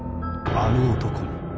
あの男に。